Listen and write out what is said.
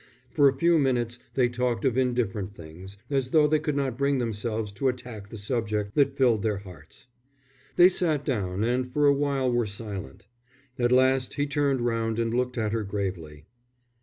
For a few minutes they talked of indifferent things, as though they could not bring themselves to attack the subject that filled their hearts. They sat down and for a while were silent. At last he turned round and looked at her gravely.